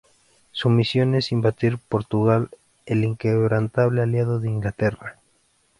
Su misión es invadir Portugal, el inquebrantable aliado de Inglaterra.